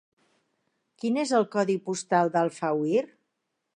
Quin és el codi postal d'Alfauir?